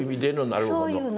なるほど。